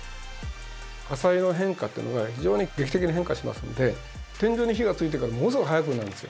火災の変化っていうのが非常に劇的に変化しますので天井に火がついてからものすごく早くなるんですよ。